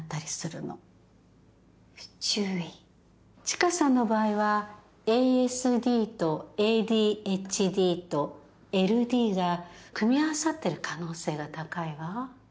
知花さんの場合はＡＳＤとＡＤＨＤとＬＤが組み合わさってる可能性が高いわ。